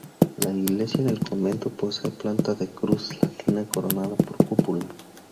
La iglesia del convento posee planta de cruz latina coronada por cúpula.